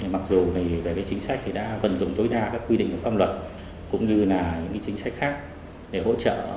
mặc dù chính sách đã vận dụng tối đa các quy định pháp luật cũng như chính sách khác để hỗ trợ